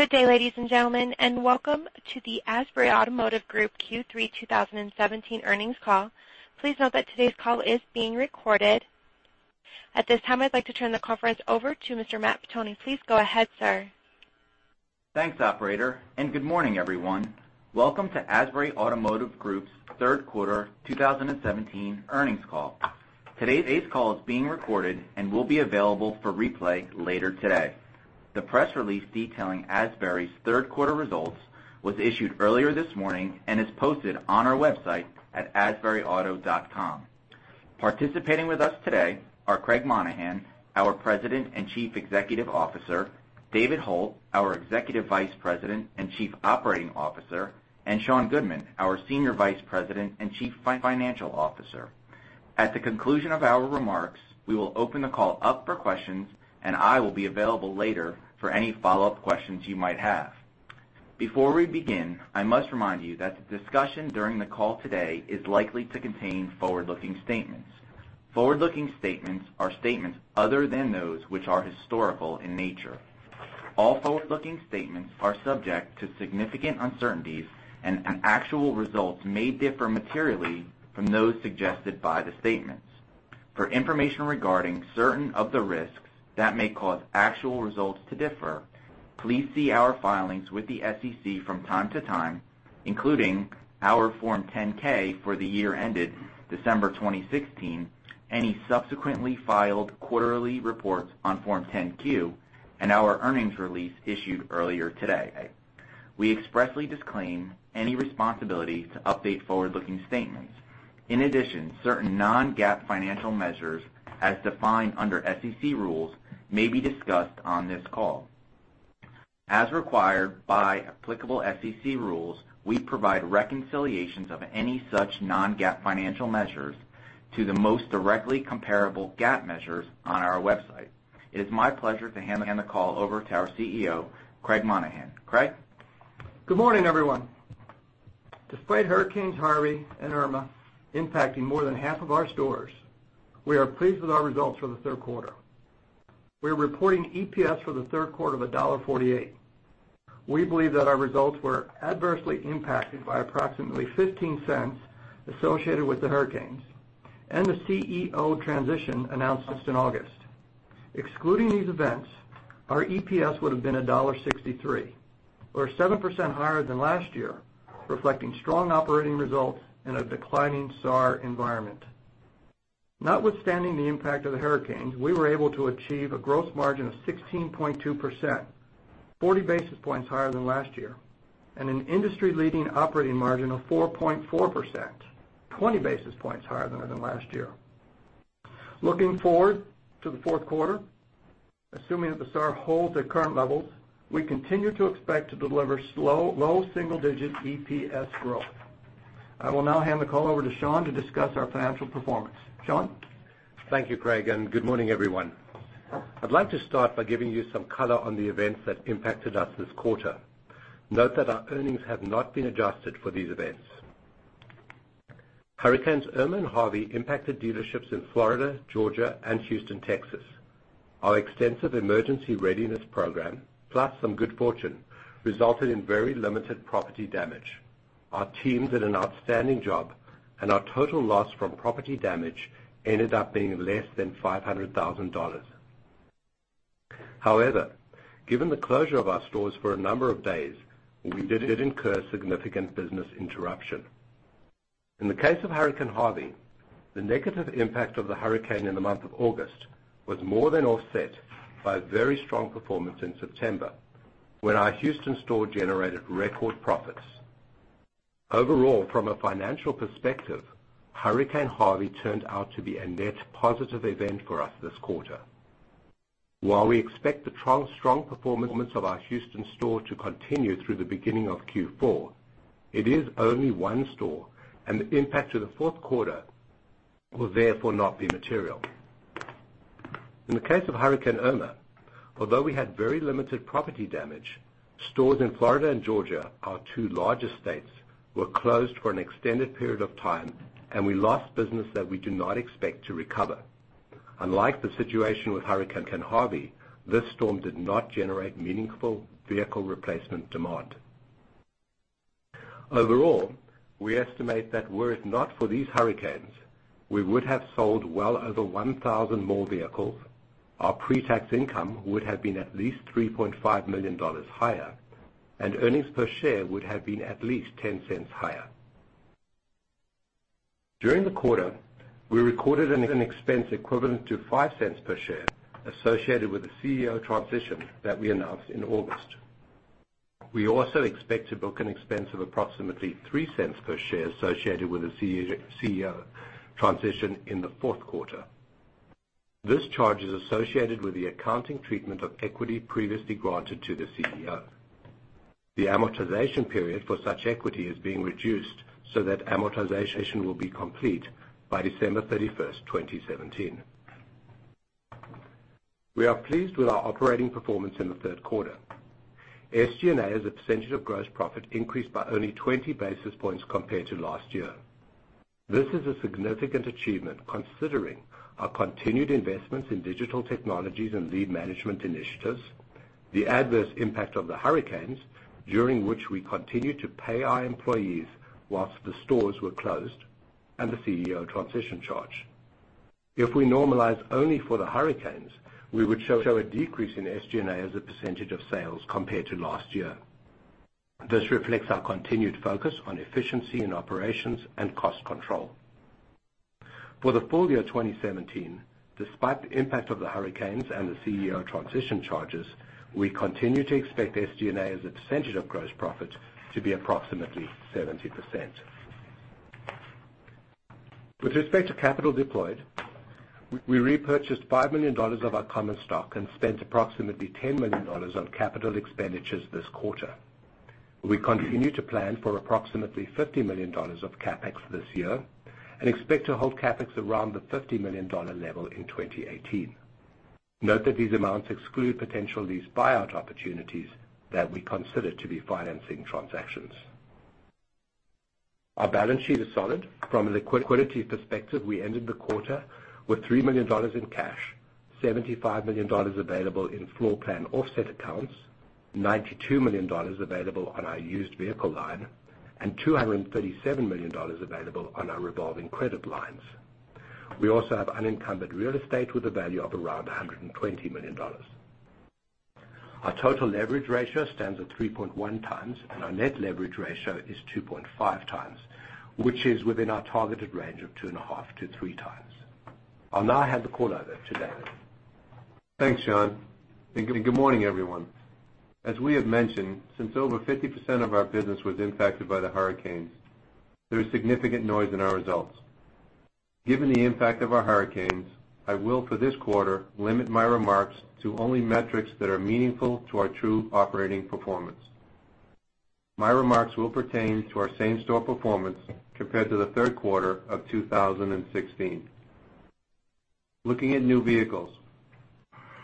Good day, ladies and gentlemen, and welcome to the Asbury Automotive Group Q3 2017 earnings call. Please note that today's call is being recorded. At this time, I'd like to turn the conference over to Mr. Matt Pettoni. Please go ahead, sir. Thanks, operator, and good morning, everyone. Welcome to Asbury Automotive Group's third quarter 2017 earnings call. Today's call is being recorded and will be available for replay later today. The press release detailing Asbury's third quarter results was issued earlier this morning and is posted on our website at asburyauto.com. Participating with us today are Craig Monaghan, our President and Chief Executive Officer, David Hult, our Executive Vice President and Chief Operating Officer, and Sean Goodman, our Senior Vice President and Chief Financial Officer. At the conclusion of our remarks, we will open the call up for questions, and I will be available later for any follow-up questions you might have. Before we begin, I must remind you that the discussion during the call today is likely to contain forward-looking statements. Forward-looking statements are statements other than those which are historical in nature. All forward-looking statements are subject to significant uncertainties and actual results may differ materially from those suggested by the statements. For information regarding certain of the risks that may cause actual results to differ, please see our filings with the SEC from time to time, including our Form 10-K for the year ended December 2016, any subsequently filed quarterly reports on Form 10-Q, and our earnings release issued earlier today. We expressly disclaim any responsibility to update forward-looking statements. In addition, certain non-GAAP financial measures as defined under SEC rules may be discussed on this call. As required by applicable SEC rules, we provide reconciliations of any such non-GAAP financial measures to the most directly comparable GAAP measures on our website. It is my pleasure to hand the call over to our CEO, Craig Monaghan. Craig? Good morning, everyone. Despite hurricanes Harvey and Irma impacting more than half of our stores, we are pleased with our results for the third quarter. We're reporting EPS for the third quarter of $1.48. We believe that our results were adversely impacted by approximately $0.15 associated with the hurricanes and the CEO transition announced just in August. Excluding these events, our EPS would have been $1.63 or 7% higher than last year, reflecting strong operating results in a declining SAAR environment. Notwithstanding the impact of the hurricanes, we were able to achieve a gross margin of 16.2%, 40 basis points higher than last year, and an industry-leading operating margin of 4.4%, 20 basis points higher than last year. Looking forward to the fourth quarter, assuming that the SAAR holds at current levels, we continue to expect to deliver low single-digit EPS growth. I will now hand the call over to Sean to discuss our financial performance. Sean? Thank you, Craig, and good morning, everyone. I'd like to start by giving you some color on the events that impacted us this quarter. Note that our earnings have not been adjusted for these events. Hurricanes Irma and Harvey impacted dealerships in Florida, Georgia, and Houston, Texas. Our extensive emergency readiness program, plus some good fortune, resulted in very limited property damage. Our teams did an outstanding job, and our total loss from property damage ended up being less than $500,000. However, given the closure of our stores for a number of days, we did incur significant business interruption. In the case of Hurricane Harvey, the negative impact of the hurricane in the month of August was more than offset by a very strong performance in September when our Houston store generated record profits. Overall, from a financial perspective, Hurricane Harvey turned out to be a net positive event for us this quarter. While we expect the strong performance of our Houston store to continue through the beginning of Q4, it is only one store and the impact to the fourth quarter will therefore not be material. In the case of Hurricane Irma, although we had very limited property damage, stores in Florida and Georgia, our two largest states, were closed for an extended period of time, and we lost business that we do not expect to recover. Unlike the situation with Hurricane Harvey, this storm did not generate meaningful vehicle replacement demand. Overall, we estimate that were it not for these hurricanes, we would have sold well over 1,000 more vehicles, our pre-tax income would have been at least $3.5 million higher, and earnings per share would have been at least $0.10 higher. During the quarter, we recorded an expense equivalent to $0.05 per share associated with the CEO transition that we announced in August. We also expect to book an expense of approximately $0.03 per share associated with the CEO transition in the fourth quarter. This charge is associated with the accounting treatment of equity previously granted to the CEO. The amortization period for such equity is being reduced so that amortization will be complete by December 31st, 2017. We are pleased with our operating performance in the third quarter. SG&A as a percentage of gross profit increased by only 20 basis points compared to last year. This is a significant achievement considering our continued investments in digital technologies and lead management initiatives, the adverse impact of the hurricanes during which we continued to pay our employees whilst the stores were closed, and the CEO transition charge. If we normalize only for the hurricanes, we would show a decrease in SG&A as a percentage of sales compared to last year. This reflects our continued focus on efficiency in operations and cost control. For the full year 2017, despite the impact of the hurricanes and the CEO transition charges, we continue to expect SG&A as a percentage of gross profit to be approximately 70%. With respect to capital deployed, we repurchased $5 million of our common stock and spent approximately $10 million on capital expenditures this quarter. We continue to plan for approximately $50 million of CapEx this year and expect to hold CapEx around the $50 million level in 2018. Note that these amounts exclude potential lease buyout opportunities that we consider to be financing transactions. Our balance sheet is solid. From a liquidity perspective, we ended the quarter with $3 million in cash, $75 million available in floor plan offset accounts, $92 million available on our used vehicle line, and $237 million available on our revolving credit lines. We also have unencumbered real estate with a value of around $120 million. Our total leverage ratio stands at 3.1 times, and our net leverage ratio is 2.5 times, which is within our targeted range of 2.5-3 times. I'll now hand the call over to David. Thanks, Sean, and good morning, everyone. As we have mentioned, since over 50% of our business was impacted by the hurricanes, there is significant noise in our results. Given the impact of our hurricanes, I will, for this quarter, limit my remarks to only metrics that are meaningful to our true operating performance. My remarks will pertain to our same-store performance compared to the third quarter of 2016. Looking at new vehicles,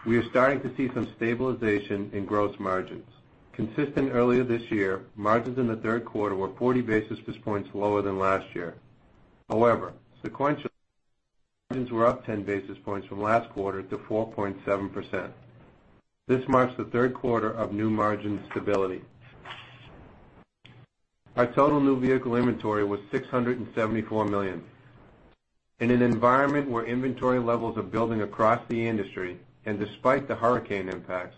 we are starting to see some stabilization in gross margins. Consistent earlier this year, margins in the third quarter were 40 basis points lower than last year. However, sequentially, margins were up 10 basis points from last quarter to 4.7%. This marks the third quarter of new margin stability. Our total new vehicle inventory was $674 million. In an environment where inventory levels are building across the industry, despite the hurricane impacts,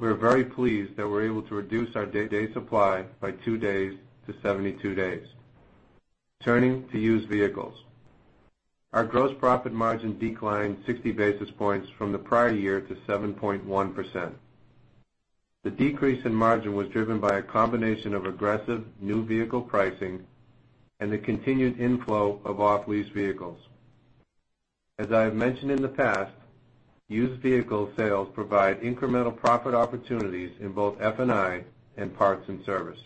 we are very pleased that we're able to reduce our day supply by 2 days to 72 days. Turning to used vehicles. Our gross profit margin declined 60 basis points from the prior year to 7.1%. The decrease in margin was driven by a combination of aggressive new vehicle pricing and the continued inflow of off-lease vehicles. As I have mentioned in the past, used vehicle sales provide incremental profit opportunities in both F&I and parts and service.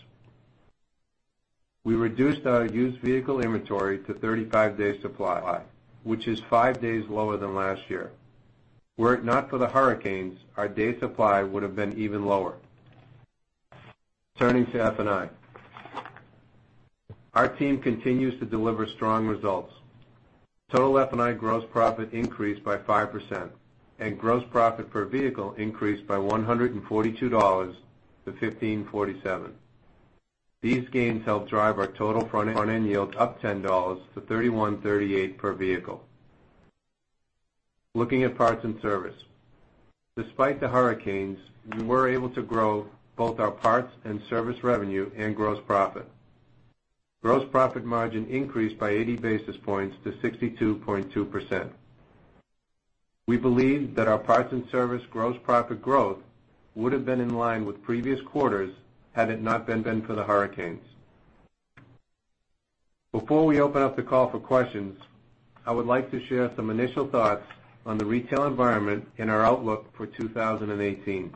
We reduced our used vehicle inventory to 35 days supply, which is 5 days lower than last year. Were it not for the hurricanes, our day supply would have been even lower. Turning to F&I. Our team continues to deliver strong results. Total F&I gross profit increased by 5%. Gross profit per vehicle increased by $142 to $1,547. These gains helped drive our total front-end yield up $10 to $3,138 per vehicle. Looking at parts and service. Despite the hurricanes, we were able to grow both our parts and service revenue and gross profit. Gross profit margin increased by 80 basis points to 62.2%. We believe that our parts and service gross profit growth would have been in line with previous quarters had it not been down for the hurricanes. Before we open up the call for questions, I would like to share some initial thoughts on the retail environment and our outlook for 2018.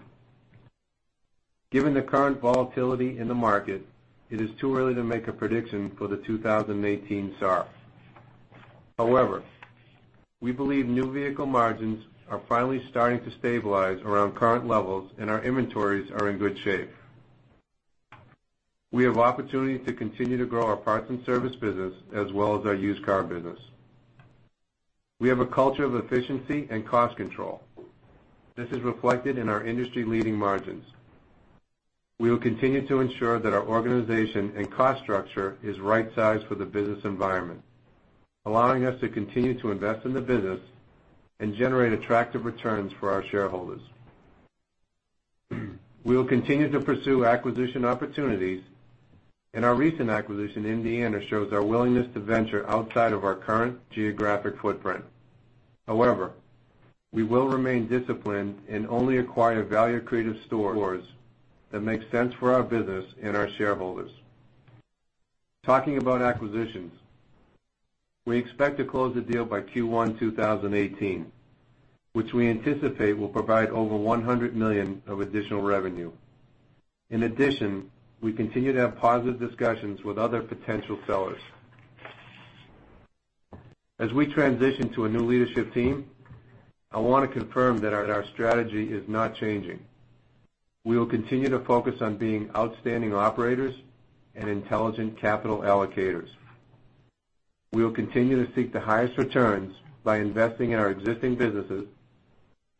Given the current volatility in the market, it is too early to make a prediction for the 2018 SAAR. We believe new vehicle margins are finally starting to stabilize around current levels. Our inventories are in good shape. We have opportunity to continue to grow our parts and service business as well as our used car business. We have a culture of efficiency and cost control. This is reflected in our industry-leading margins. We will continue to ensure that our organization and cost structure is right-sized for the business environment, allowing us to continue to invest in the business and generate attractive returns for our shareholders. We will continue to pursue acquisition opportunities. Our recent acquisition in Indiana shows our willingness to venture outside of our current geographic footprint. We will remain disciplined and only acquire value-creative stores that make sense for our business and our shareholders. Talking about acquisitions, we expect to close the deal by Q1 2018, which we anticipate will provide over $100 million of additional revenue. In addition, we continue to have positive discussions with other potential sellers. As we transition to a new leadership team, I want to confirm that our strategy is not changing. We will continue to focus on being outstanding operators and intelligent capital allocators. We will continue to seek the highest returns by investing in our existing businesses,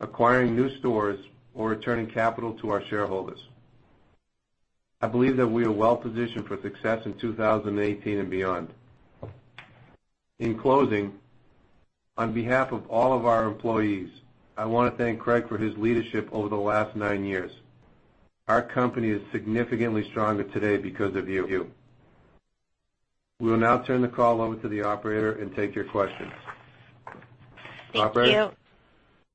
acquiring new stores, or returning capital to our shareholders. I believe that we are well-positioned for success in 2018 and beyond. In closing, on behalf of all of our employees, I want to thank Craig for his leadership over the last nine years. Our company is significantly stronger today because of you. We will now turn the call over to the operator and take your questions. Thank you. Operator?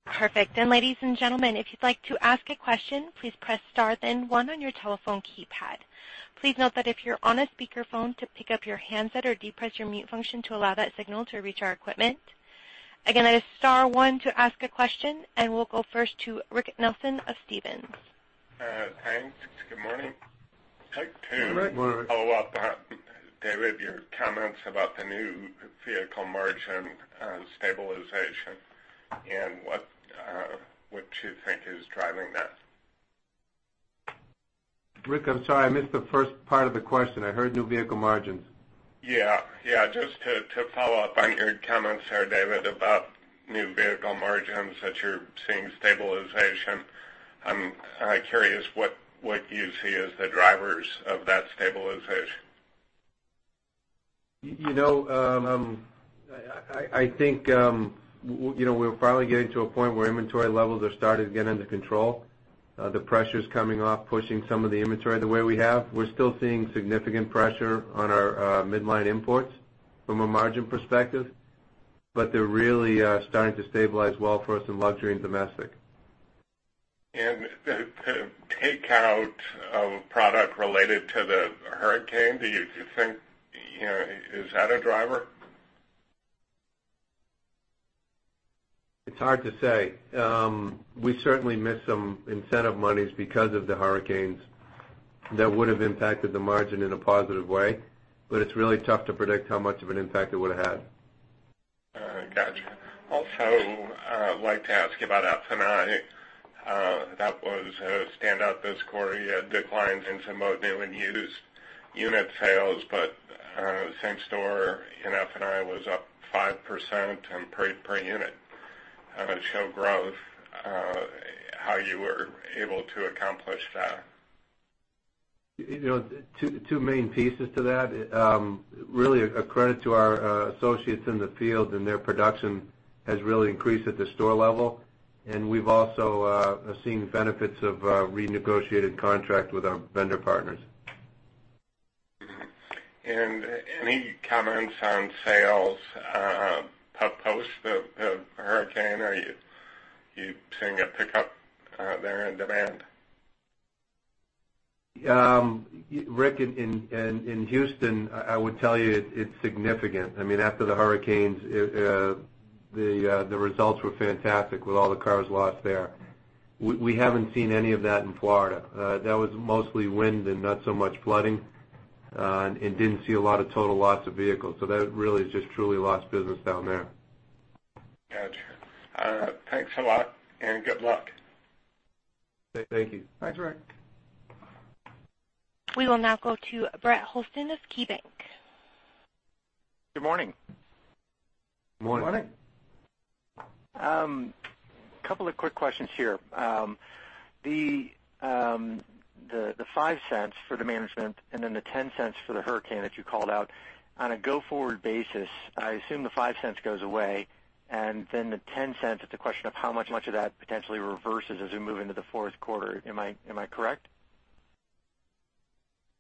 Perfect. ladies and gentlemen, if you'd like to ask a question, please press star then one on your telephone keypad. Please note that if you're on a speakerphone, to pick up your handset or depress your mute function to allow that signal to reach our equipment. Again, that is star one to ask a question, and we'll go first to Rick Nelson of Stephens. Thanks. Good morning. Good morning. I'd like to follow up on, David, your comments about the new vehicle margin stabilization and what you think is driving that. Rick, I'm sorry, I missed the first part of the question. I heard new vehicle margins. Yeah. Just to follow up on your comments there, David, about new vehicle margins that you're seeing stabilization. I'm curious what you see as the drivers of that stabilization. I think we're finally getting to a point where inventory levels are starting to get under control. The pressure's coming off, pushing some of the inventory the way we have. We're still seeing significant pressure on our midline imports from a margin perspective. They're really starting to stabilize well for us in luxury and domestic. The take out of product related to the hurricane, do you think is that a driver? It's hard to say. We certainly missed some incentive monies because of the hurricanes that would have impacted the margin in a positive way, but it's really tough to predict how much of an impact it would've had. Got you. Also, I'd like to ask you about F&I. That was a standout this quarter. You had declines in some both new and used unit sales, but same store in F&I was up 5% in per unit show growth. How you were able to accomplish that? Two main pieces to that. Really, a credit to our associates in the field, their production has really increased at the store level. We've also seen benefits of a renegotiated contract with our vendor partners. Mm-hmm. Any comments on sales post the hurricane? Are you seeing a pickup there in demand? Rick, in Houston, I would tell you it's significant. After the hurricanes, the results were fantastic with all the cars lost there. We haven't seen any of that in Florida. That was mostly wind and not so much flooding, and didn't see a lot of total loss of vehicles. That really is just truly lost business down there. Got you. Thanks a lot, and good luck. Thank you. Thanks, Rick. We will now go to Brett Hoselton of KeyBanc. Good morning. Morning. Morning. A couple of quick questions here. The $0.05 for the management and then the $0.10 for the Hurricane that you called out, on a go-forward basis, I assume the $0.05 goes away, and then the $0.10, it's a question of how much of that potentially reverses as we move into the fourth quarter. Am I correct?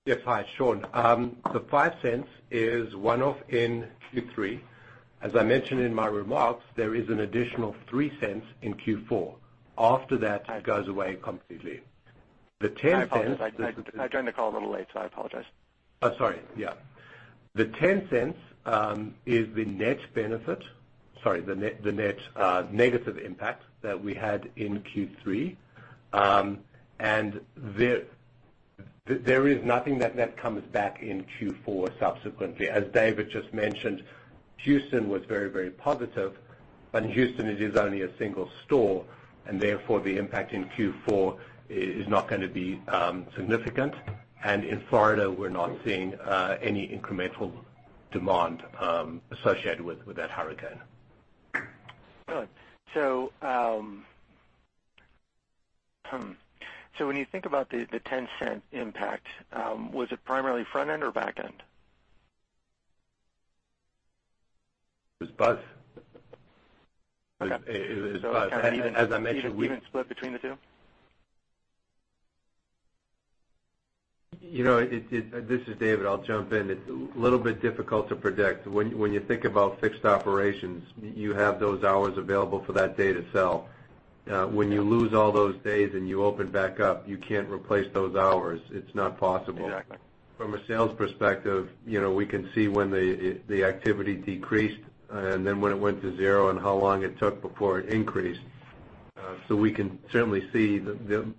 Yes. Hi, Sean. The $0.05 is one-off in Q3. As I mentioned in my remarks, there is an additional $0.03 in Q4. After that, it goes away completely. The $0.10. I apologize. I joined the call a little late, I apologize. Oh, sorry. Yeah. The $0.10 is the net benefit, sorry, the net negative impact that we had in Q3. There is nothing that comes back in Q4 subsequently. As David just mentioned, Houston was very positive, but in Houston it is only a single store, therefore, the impact in Q4 is not going to be significant. In Florida, we're not seeing any incremental demand associated with that hurricane. Good. When you think about the $0.10 impact, was it primarily front end or back end? It was both. Okay. It was both. As I mentioned. Even split between the two? This is David. I'll jump in. It's a little bit difficult to predict. When you think about fixed operations, you have those hours available for that day to sell. When you lose all those days and you open back up, you can't replace those hours. It's not possible. Exactly. From a sales perspective, we can see when the activity decreased, and then when it went to zero, and how long it took before it increased. We can certainly see the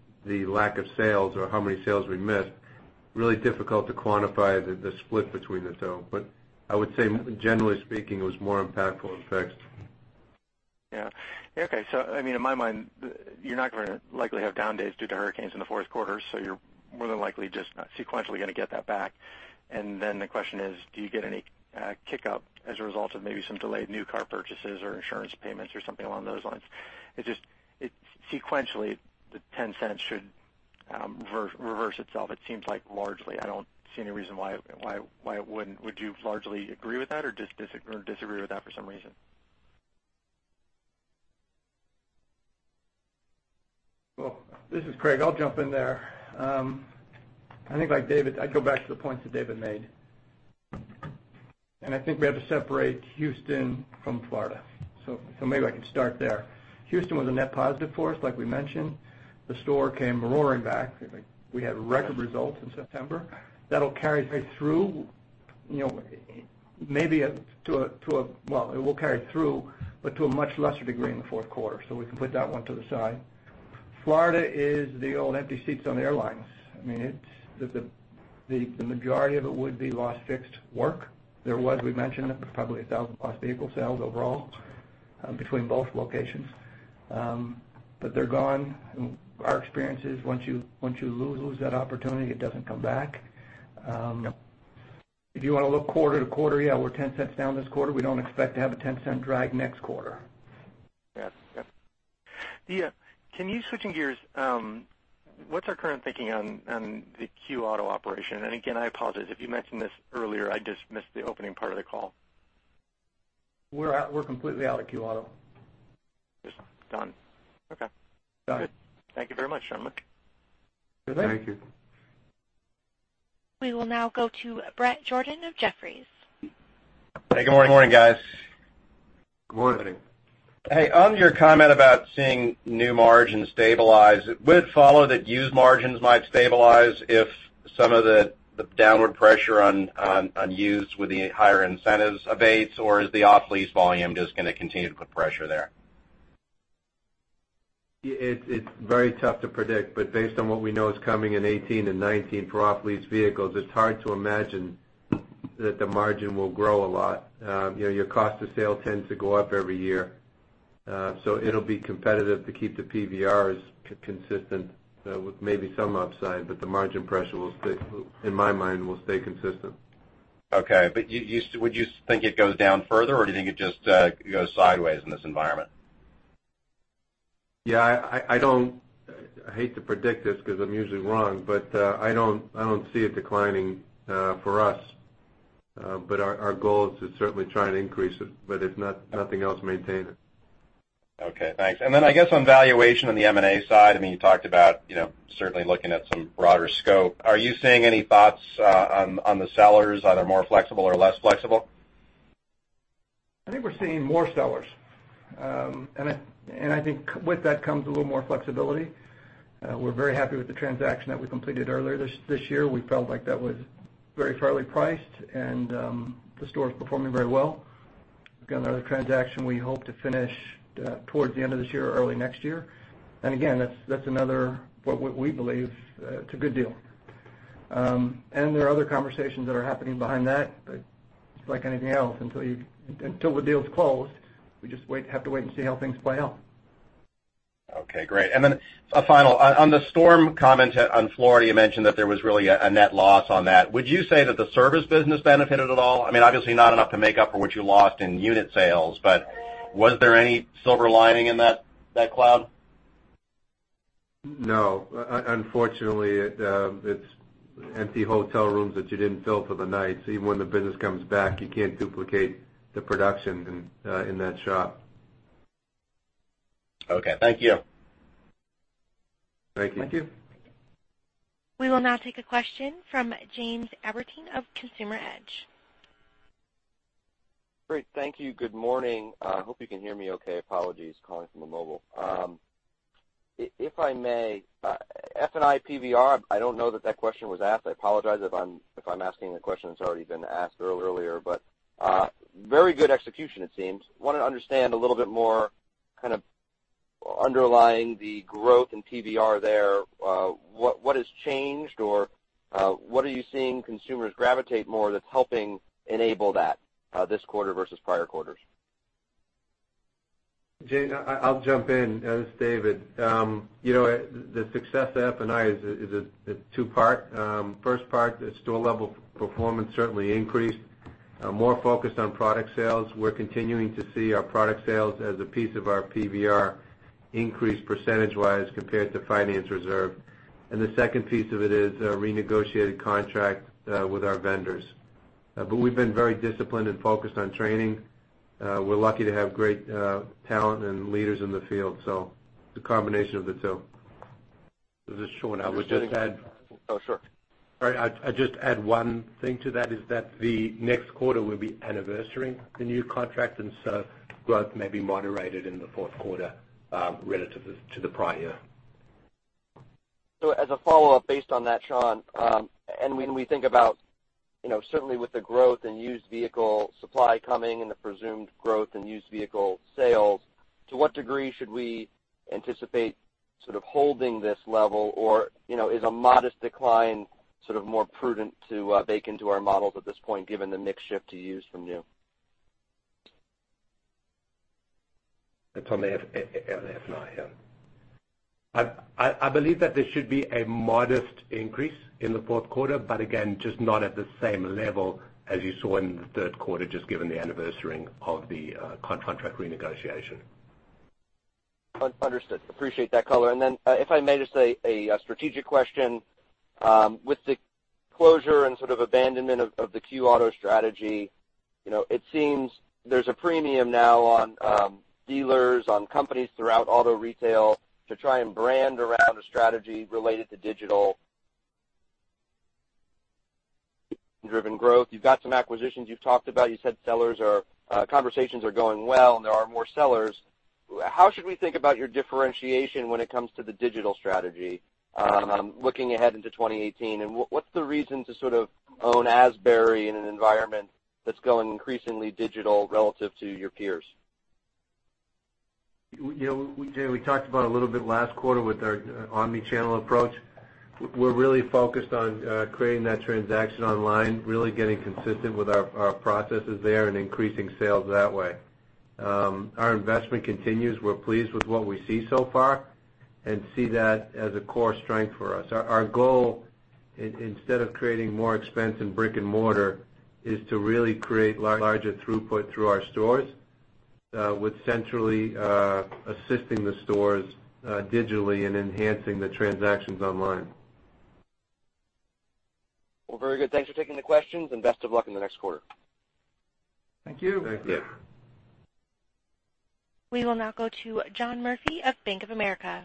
lack of sales or how many sales we missed. Really difficult to quantify the split between the two, but I would say generally speaking, it was more impactful in fixed. In my mind, you're not going to likely have down days due to hurricanes in the fourth quarter, you're more than likely just sequentially going to get that back. The question is, do you get any kick up as a result of maybe some delayed new car purchases or insurance payments or something along those lines? It's just sequentially, the $0.10 should reverse itself, it seems like largely. I don't see any reason why it wouldn't. Would you largely agree with that, or disagree with that for some reason? Well, this is Craig. I'll jump in there. I think, like David, I'd go back to the points that David made. I think we have to separate Houston from Florida. Maybe I can start there. Houston was a net positive for us, like we mentioned. The store came roaring back. We had record results in September. That'll carry through, but to a much lesser degree in the fourth quarter, we can put that one to the side. Florida is the old empty seats on the airlines. The majority of it would be lost fixed work. There was, we mentioned, probably 1,000 lost vehicle sales overall between both locations. They're gone, and our experience is once you lose that opportunity, it doesn't come back. No. If you want to look quarter to quarter, yeah, we're $0.10 down this quarter. We don't expect to have a $0.10 drag next quarter. Yeah. Can you, switching gears, what's our current thinking on the Q auto operation? Again, I apologize if you mentioned this earlier, I just missed the opening part of the call. We're completely out of Q auto. Just done. Okay. Done. Good. Thank you very much, gentlemen. Thank you. Good day. We will now go to Bret Jordan of Jefferies. Hey, good morning, guys. Good morning. Hey, on your comment about seeing new margin stabilize, it would follow that used margins might stabilize if some of the downward pressure on used with the higher incentives abates, or is the off-lease volume just going to continue to put pressure there? It's very tough to predict. Based on what we know is coming in 2018 and 2019 for off-lease vehicles, it's hard to imagine that the margin will grow a lot. Your cost of sale tends to go up every year. It'll be competitive to keep the PVRs consistent with maybe some upside, but the margin pressure, in my mind, will stay consistent. Okay, would you think it goes down further, or do you think it just goes sideways in this environment? Yeah, I hate to predict this because I'm usually wrong, but I don't see it declining for us. Our goal is to certainly try and increase it, but if nothing else, maintain it. Okay, thanks. I guess on valuation on the M&A side, you talked about certainly looking at some broader scope. Are you seeing any thoughts on the sellers, are they more flexible or less flexible? I think we're seeing more sellers. I think with that comes a little more flexibility. We're very happy with the transaction that we completed earlier this year. We felt like that was very fairly priced, and the store is performing very well. We've got another transaction we hope to finish towards the end of this year or early next year. Again, that's another what we believe it's a good deal. There are other conversations that are happening behind that, but it's like anything else, until the deal is closed, we just have to wait and see how things play out. Okay, great. A final, on the storm comment on Florida, you mentioned that there was really a net loss on that. Would you say that the service business benefited at all? Obviously not enough to make up for what you lost in unit sales, but was there any silver lining in that cloud? No. Unfortunately, it's empty hotel rooms that you didn't fill for the night, so even when the business comes back, you can't duplicate the production in that shop. Okay. Thank you. Thank you. Thank you. We will now take a question from James Albertine of Consumer Edge. Great. Thank you. Good morning. I hope you can hear me okay. Apologies, calling from a mobile. If I may, F&I PVR, I don't know that that question was asked. I apologize if I'm asking a question that's already been asked earlier. Very good execution, it seems. I want to understand a little bit more kind of underlying the growth in PVR there. What has changed, or what are you seeing consumers gravitate more that's helping enable that this quarter versus prior quarters? James, I'll jump in. It's David. The success of F&I is a two-part. First part, the store-level performance certainly increased. More focused on product sales. We're continuing to see our product sales as a piece of our PVR increase percentage-wise compared to finance reserve. The second piece of it is a renegotiated contract with our vendors. We've been very disciplined and focused on training. We're lucky to have great talent and leaders in the field, it's a combination of the two. This is Sean. I would just add- Oh, sure. I'd just add one thing to that, is that the next quarter will be anniversarying the new contract, growth may be moderated in the fourth quarter relative to the prior year. As a follow-up based on that, Sean, when we think about certainly with the growth in used vehicle supply coming and the presumed growth in used vehicle sales, to what degree should we anticipate holding this level? Or is a modest decline more prudent to bake into our models at this point, given the mix shift to used from new? That's on the F&I, yeah. I believe that there should be a modest increase in the fourth quarter, again, just not at the same level as you saw in the third quarter, just given the anniversary-ing of the contract renegotiation. Understood. Appreciate that color. If I may just say a strategic question. With the closure and sort of abandonment of the Q auto strategy, it seems there's a premium now on dealers, on companies throughout auto retail to try and brand around a strategy related to digital-driven growth. You've got some acquisitions you've talked about. You said conversations are going well, and there are more sellers. How should we think about your differentiation when it comes to the digital strategy looking ahead into 2018? What's the reason to sort of own Asbury in an environment that's going increasingly digital relative to your peers? Yeah. Jay, we talked about a little bit last quarter with our omni-channel approach. We're really focused on creating that transaction online, really getting consistent with our processes there, and increasing sales that way. Our investment continues. We're pleased with what we see so far and see that as a core strength for us. Our goal, instead of creating more expense in brick and mortar, is to really create larger throughput through our stores with centrally assisting the stores digitally and enhancing the transactions online. Well, very good. Thanks for taking the questions, Best of luck in the next quarter. Thank you. Thank you. We will now go to John Murphy of Bank of America.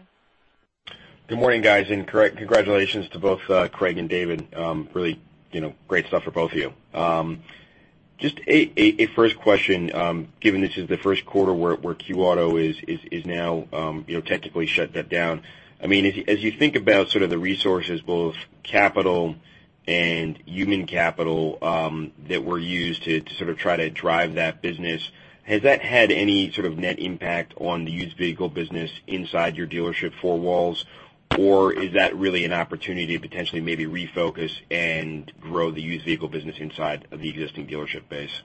Good morning, guys. Congratulations to both Craig and David. Really great stuff for both of you. Just a first question, given this is the first quarter where Q auto is now technically shut down. As you think about sort of the resources, both capital and human capital that were used to sort of try to drive that business, has that had any sort of net impact on the used vehicle business inside your dealership four walls? Or is that really an opportunity to potentially maybe refocus and grow the used vehicle business inside of the existing dealership base?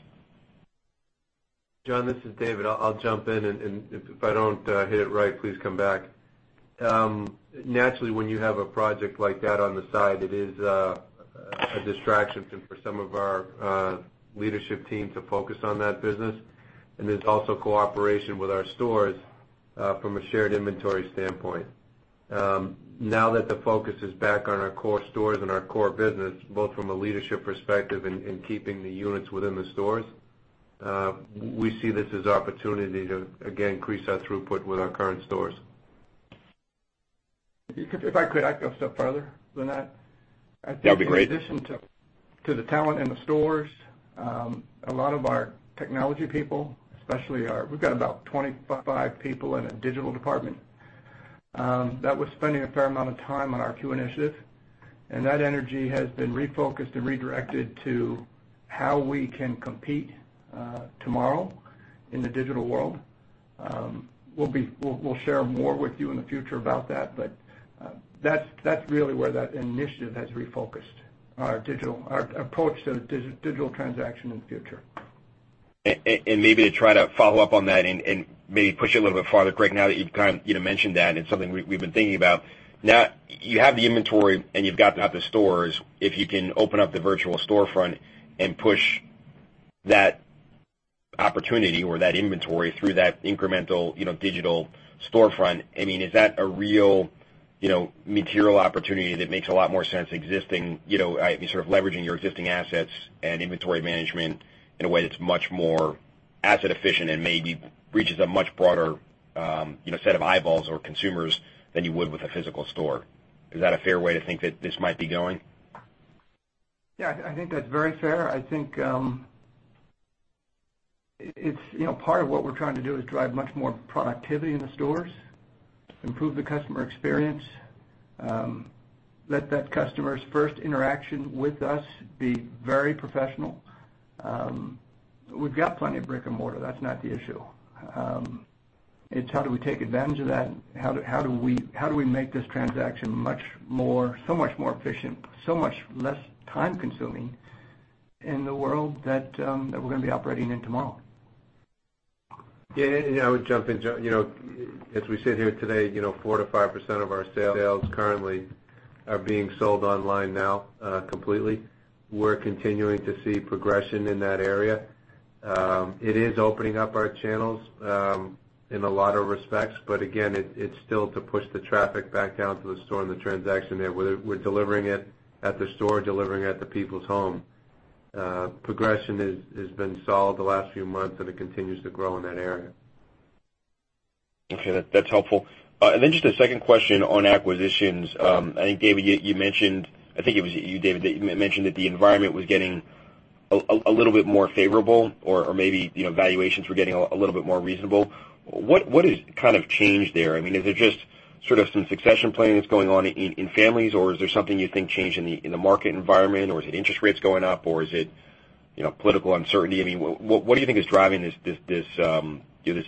John, this is David. I'll jump in. If I don't hit it right, please come back. Naturally, when you have a project like that on the side, it is a distraction for some of our leadership team to focus on that business. There's also cooperation with our stores from a shared inventory standpoint. Now that the focus is back on our core stores and our core business, both from a leadership perspective and keeping the units within the stores, we see this as opportunity to, again, increase our throughput with our current stores. If I could, I'd go a step further than that. That'd be great. I think in addition to the talent in the stores, a lot of our technology people, We've got about 25 people in a digital department that was spending a fair amount of time on our Q initiative, and that energy has been refocused and redirected to how we can compete tomorrow in the digital world. We'll share more with you in the future about that, but that's really where that initiative has refocused our approach to digital transaction in the future. Maybe to try to follow up on that and maybe push it a little bit farther, Craig, now that you've kind of mentioned that, and it's something we've been thinking about. Now, you have the inventory and you've got the stores. If you can open up the virtual storefront and push that opportunity or that inventory through that incremental digital storefront, is that a real material opportunity that makes a lot more sense existing, sort of leveraging your existing assets and inventory management in a way that's much more asset efficient and maybe reaches a much broader set of eyeballs or consumers than you would with a physical store? Is that a fair way to think that this might be going? Yeah, I think that's very fair. I think part of what we're trying to do is drive much more productivity in the stores, improve the customer experience, let that customer's first interaction with us be very professional. We've got plenty of brick and mortar. That's not the issue. It's how do we take advantage of that? How do we make this transaction so much more efficient, so much less time-consuming in the world that we're going to be operating in tomorrow? Yeah. I would jump in, John. As we sit here today, 4%-5% of our sales currently are being sold online now completely. We're continuing to see progression in that area. It is opening up our channels in a lot of respects, again, it's still to push the traffic back down to the store and the transaction there. We're delivering it at the store, delivering it at the people's home. Progression has been solid the last few months, it continues to grow in that area. Okay, that's helpful. Just a second question on acquisitions. I think, David, you mentioned that the environment was getting a little bit more favorable or maybe valuations were getting a little bit more reasonable. What has changed there? Is it just some succession planning that's going on in families, or is there something you think changed in the market environment, or is it interest rates going up, or is it political uncertainty? What do you think is driving this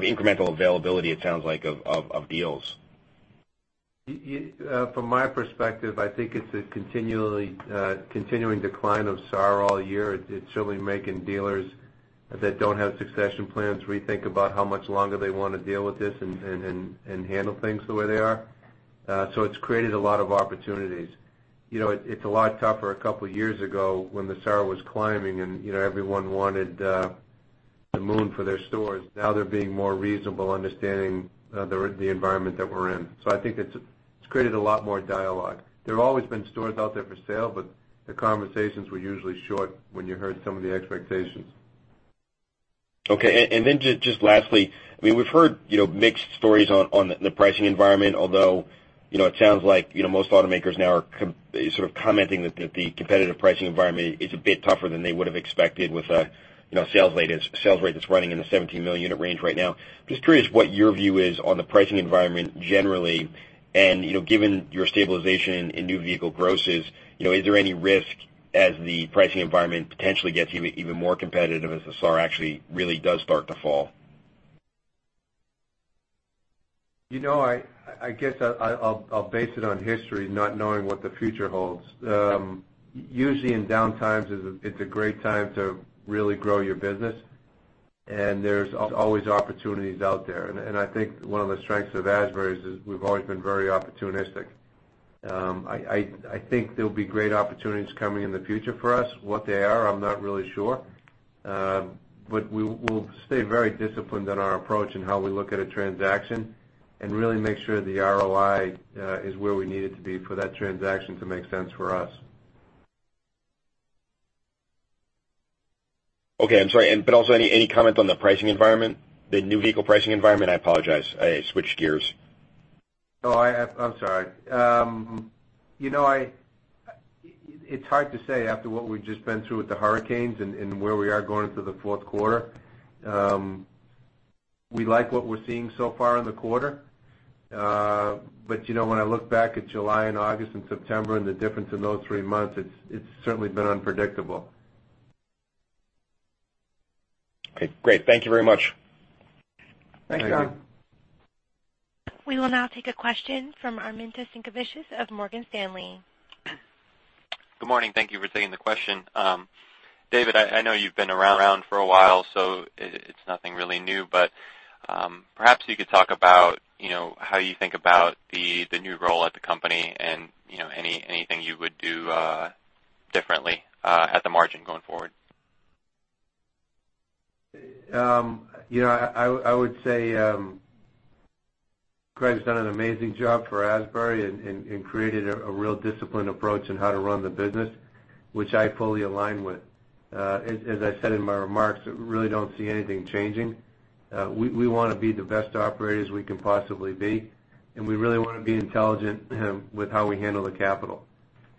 incremental availability, it sounds like, of deals? From my perspective, I think it's a continuing decline of SAAR all year. It's certainly making dealers that don't have succession plans rethink about how much longer they want to deal with this and handle things the way they are. It's created a lot of opportunities. It's a lot tougher a couple of years ago when the SAR was climbing, everyone wanted the moon for their stores. Now they're being more reasonable, understanding the environment that we're in. I think it's created a lot more dialogue. There have always been stores out there for sale, the conversations were usually short when you heard some of the expectations. Okay. Just lastly, we've heard mixed stories on the pricing environment, although it sounds like most automakers now are sort of commenting that the competitive pricing environment is a bit tougher than they would've expected with a sales rate that's running in the 17-million-unit range right now. Just curious what your view is on the pricing environment generally, given your stabilization in new vehicle grosses, is there any risk as the pricing environment potentially gets even more competitive as the SAR actually really does start to fall? I guess I'll base it on history, not knowing what the future holds. Usually in downtimes, it's a great time to really grow your business, and there's always opportunities out there. I think one of the strengths of Asbury is we've always been very opportunistic. I think there'll be great opportunities coming in the future for us. What they are, I'm not really sure. We'll stay very disciplined in our approach in how we look at a transaction and really make sure the ROI is where we need it to be for that transaction to make sense for us. Okay. I'm sorry, but also any comment on the pricing environment, the new vehicle pricing environment? I apologize. I switched gears. No, I'm sorry. It's hard to say after what we've just been through with the hurricanes and where we are going into the fourth quarter. We like what we're seeing so far in the quarter. When I look back at July and August and September and the difference in those three months, it's certainly been unpredictable. Okay, great. Thank you very much. Thanks, John. Thank you. We will now take a question from Armintas Sinkevicius of Morgan Stanley. Good morning. Thank you for taking the question. David, I know you've been around for a while, so it's nothing really new, but perhaps you could talk about how you think about the new role at the company and anything you would do differently at the margin going forward. I would say Craig's done an amazing job for Asbury in creating a real disciplined approach in how to run the business, which I fully align with. As I said in my remarks, I really don't see anything changing. We want to be the best operators we can possibly be, and we really want to be intelligent with how we handle the capital.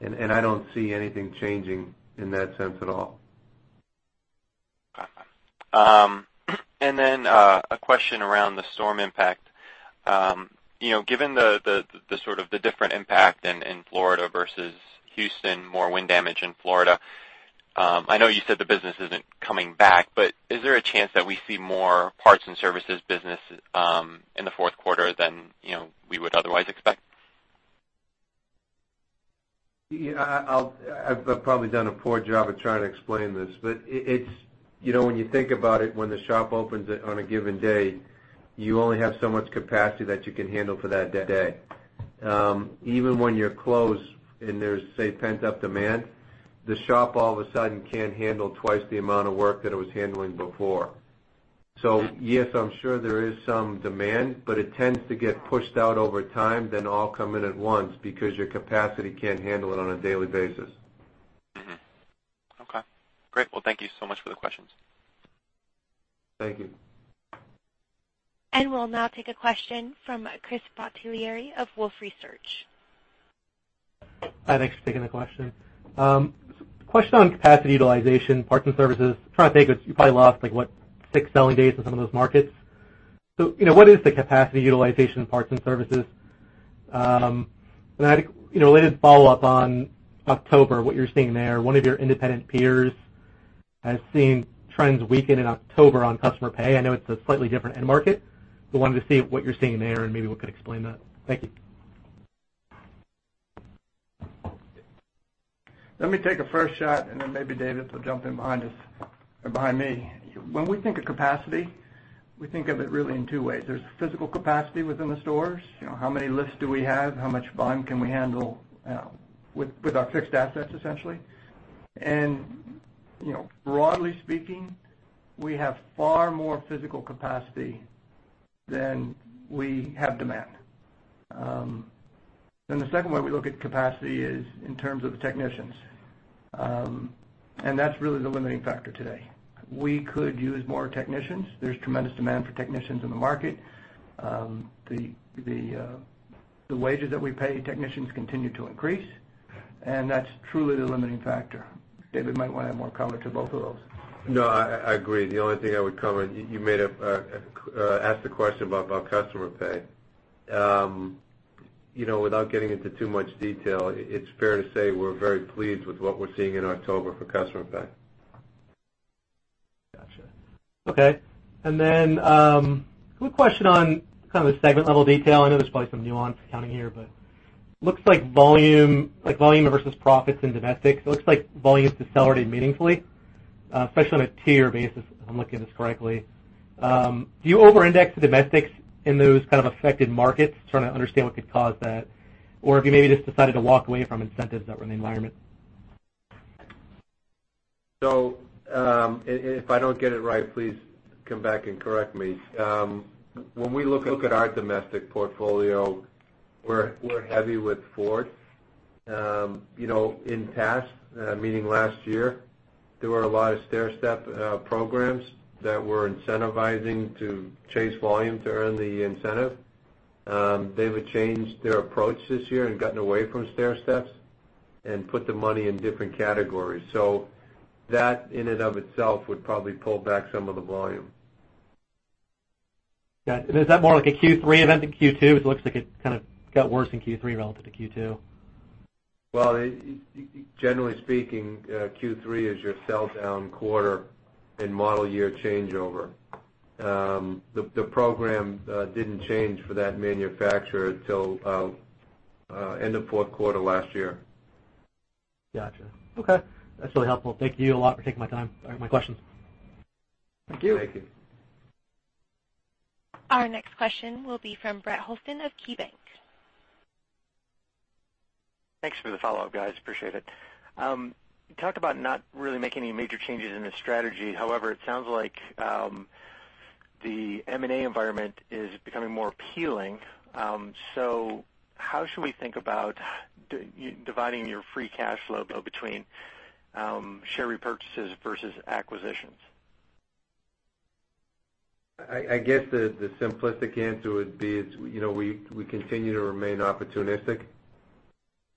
I don't see anything changing in that sense at all. A question around the storm impact. Given the different impact in Florida versus Houston, more wind damage in Florida, I know you said the business isn't coming back, but is there a chance that we see more parts and services business in the fourth quarter than we would otherwise expect? I've probably done a poor job of trying to explain this, but when you think about it, when the shop opens on a given day, you only have so much capacity that you can handle for that day. Even when you're closed and there's, say, pent-up demand, the shop all of a sudden can't handle twice the amount of work that it was handling before. Yes, I'm sure there is some demand, but it tends to get pushed out over time than all come in at once because your capacity can't handle it on a daily basis. Okay. Great. Thank you so much for the questions. Thank you. We'll now take a question from Chris Bottiglieri of Wolfe Research. Hi, thanks for taking the question. Question on capacity utilization, parts and services. Trying to think, you probably lost like what, six selling days in some of those markets. What is the capacity utilization in parts and services? A related follow-up on October, what you're seeing there. One of your independent peers has seen trends weaken in October on customer pay. I know it's a slightly different end market, but wanted to see what you're seeing there and maybe what could explain that. Thank you. Let me take a first shot, then maybe David will jump in behind us or behind me. When we think of capacity, we think of it really in two ways. There's physical capacity within the stores. How many lifts do we have? How much volume can we handle with our fixed assets, essentially? Broadly speaking, we have far more physical capacity than we have demand. The second way we look at capacity is in terms of the technicians, and that's really the limiting factor today. We could use more technicians. There's tremendous demand for technicians in the market. The wages that we pay technicians continue to increase, and that's truly the limiting factor. David might want to add more color to both of those. No, I agree. The only thing I would cover, you asked a question about customer pay. Without getting into too much detail, it's fair to say we're very pleased with what we're seeing in October for customer pay. Got you. Okay. Quick question on the segment level detail. I know there's probably some nuance accounting here, but looks like volume versus profits in domestic. It looks like volume decelerated meaningfully, especially on a tier basis, if I'm looking at this correctly. Do you over-index the domestics in those kind of affected markets? Trying to understand what could cause that. If you maybe just decided to walk away from incentives that were in the environment. If I don't get it right, please come back and correct me. When we look at our domestic portfolio, we're heavy with Ford. In past, meaning last year, there were a lot of stairstep programs that were incentivizing to chase volume to earn the incentive. They would change their approach this year and gotten away from stairsteps and put the money in different categories. That in and of itself would probably pull back some of the volume. Got it. Is that more like a Q3 event than Q2? Because it looks like it kind of got worse in Q3 relative to Q2. Well, generally speaking, Q3 is your sell-down quarter and model year changeover. The program didn't change for that manufacturer until end of fourth quarter last year. Got you. Okay. That's really helpful. Thank you a lot for taking my time. All right, my questions. Thank you. Thank you. Our next question will be from Brett Hoselton of KeyBank. Thanks for the follow-up, guys. Appreciate it. It sounds like the M&A environment is becoming more appealing. How should we think about dividing your free cash flow between share repurchases versus acquisitions? I guess the simplistic answer would be is we continue to remain opportunistic.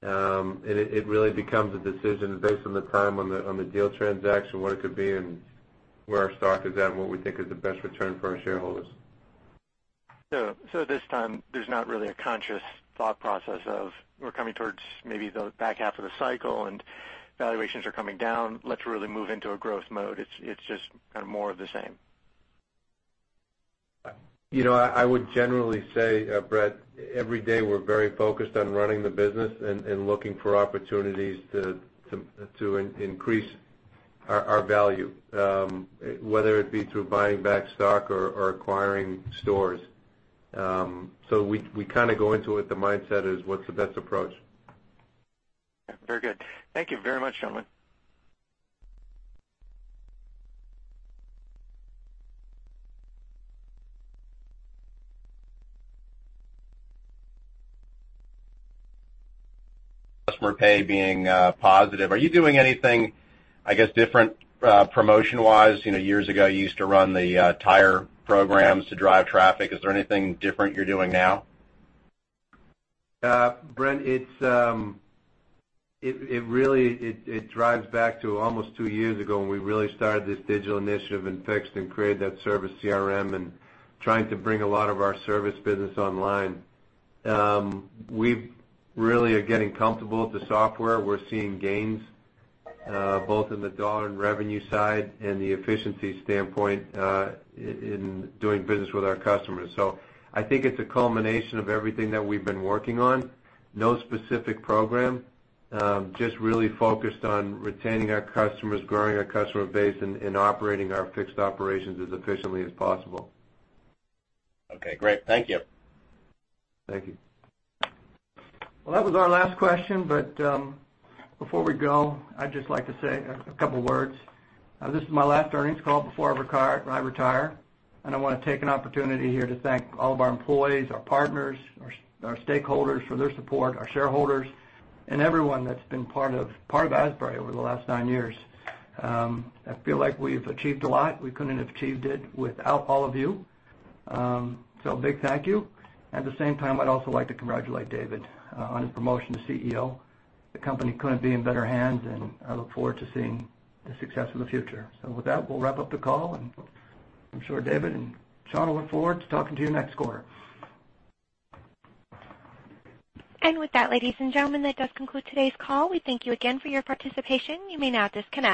It really becomes a decision based on the time on the deal transaction, what it could be, and where our stock is at, and what we think is the best return for our shareholders. At this time, there's not really a conscious thought process of we're coming towards maybe the back half of the cycle and valuations are coming down. Let's really move into a growth mode. It's just kind of more of the same. I would generally say, Brett, every day, we're very focused on running the business and looking for opportunities to increase our value, whether it be through buying back stock or acquiring stores. We kind of go into it, the mindset is what's the best approach. Very good. Thank you very much, gentlemen. Customer pay being positive. Are you doing anything, I guess, different promotion-wise? Years ago, you used to run the tire programs to drive traffic. Is there anything different you're doing now? Bret, it drives back to almost two years ago when we really started this digital initiative in fixed and created that service CRM and trying to bring a lot of our service business online. We really are getting comfortable with the software. We're seeing gains both in the $ and revenue side and the efficiency standpoint, in doing business with our customers. I think it's a culmination of everything that we've been working on. No specific program. Just really focused on retaining our customers, growing our customer base, and operating our fixed operations as efficiently as possible. Okay, great. Thank you. Thank you. That was our last question, but before we go, I'd just like to say a couple words. This is my last earnings call before I retire, and I want to take an opportunity here to thank all of our employees, our partners, our stakeholders for their support, our shareholders, and everyone that's been part of Asbury over the last nine years. I feel like we've achieved a lot. We couldn't have achieved it without all of you. Big thank you. At the same time, I'd also like to congratulate David on his promotion to CEO. The company couldn't be in better hands, and I look forward to seeing the success of the future. With that, we'll wrap up the call, and I'm sure David and Sean will look forward to talking to you next quarter. With that, ladies and gentlemen, that does conclude today's call. We thank you again for your participation. You may now disconnect.